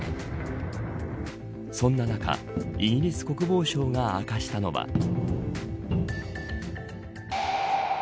そんな中、イギリス国防省が明かしたのは。